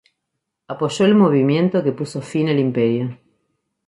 Apoyó el movimiento que puso fin al Imperio.